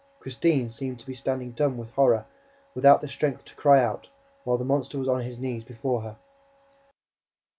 Christine seemed to be standing dumb with horror, without the strength to cry out, while the monster was on his knees before her.